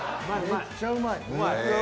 めっちゃうまい！